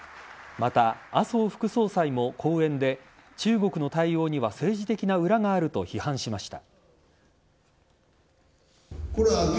また、麻生副総裁も講演で中国の対応には政治的な裏があると批判しました。